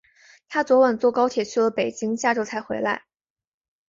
她昨晚坐高铁去了北京，下周才回来。